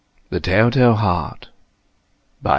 _ THE TELL TALE HEART. True!